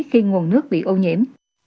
khi nguồn nước bị ô nhiễm